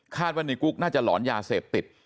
ว่าในกุ๊กน่าจะหลอนยาเสพติด